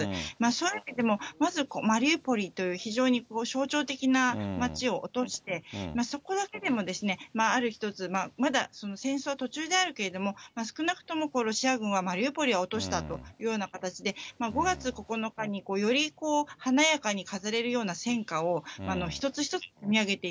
そういう意味でも、まずマリウポリという非常に象徴的な街を落として、そこだけでもある一つ、まだ戦争は途中であるけれども、少なくともロシア軍はマリウポリは落としたというような形で、５月９日により華やかに飾れるような戦果を、一つ一つ積み上げて